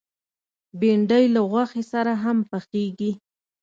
بېنډۍ له غوښې سره هم پخېږي